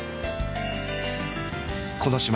この島